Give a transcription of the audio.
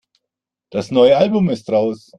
Das neue Album ist raus.